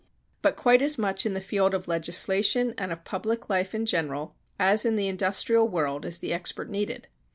But quite as much in the field of legislation and of public life in general as in the industrial world is the expert needed.